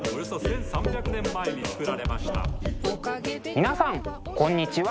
皆さんこんにちは。